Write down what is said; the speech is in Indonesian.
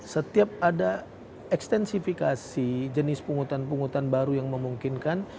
setiap ada extensifikasi jenis penghutan penghutan baru yang memungkinkan